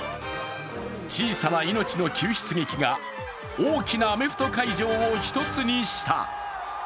小さな命の救出劇が大きなアメフト会場を一つにした。